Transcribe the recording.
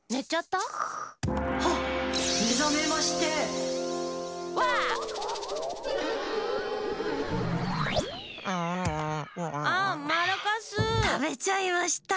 たべちゃいました。